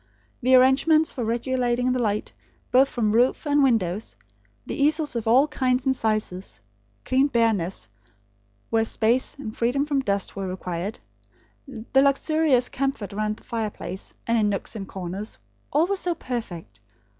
The arrangements for regulating the light, both from roof and windows; the easels of all kinds and sizes; clean bareness, where space, and freedom from dust, were required; the luxurious comfort round the fireplace, and in nooks and corners; all were so perfect.